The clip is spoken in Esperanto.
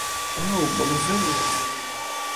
Ŭaŭ! Bonvenon edzo mia